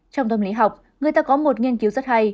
trong tâm lý học người ta có một nghiên cứu rất hay